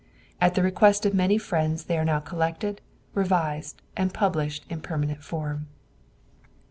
At the request of many friends they are now collected, revised, and published in permanent form.